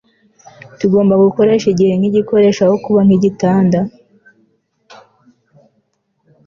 tugomba gukoresha igihe nk'igikoresho, aho kuba nk'igitanda